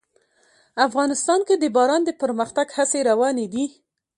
افغانستان کې د باران د پرمختګ هڅې روانې دي.